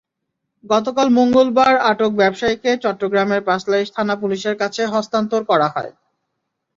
গতকাল মঙ্গলবার আটক ব্যবসায়ীকে চট্টগ্রামের পাঁচলাইশ থানা-পুলিশের কাছে হস্তান্তর করা হয়।